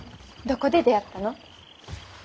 どこで出会ったの？